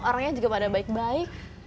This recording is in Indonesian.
orangnya juga pada baik baik